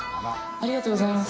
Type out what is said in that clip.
ありがとうございます。